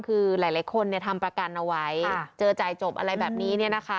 คือหลายคนทำประกันเอาไว้เจอจ่ายจบอะไรแบบนี้เนี่ยนะคะ